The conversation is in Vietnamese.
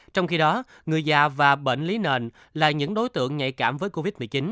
trong khi đó người già và bệnh lý nền là những đối tượng nhạy cảm với covid một mươi chín